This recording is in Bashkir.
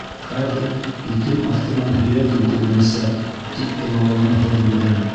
— Хәҙер итем аҫтынан һөйәгем күренәсәк! — тип илауланы һорбүре.